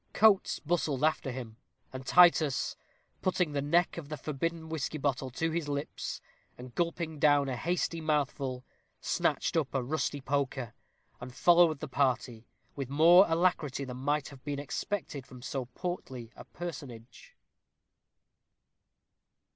Coates bustled after him, and Titus, putting the neck of the forbidden whisky bottle to his lips, and gulping down a hasty mouthful, snatched up a rusty poker, and followed the party with more alacrity than might have been expected from so portly a personage.